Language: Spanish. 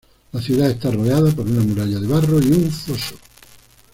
La ciudad está rodeada por una muralla de barro y un foso.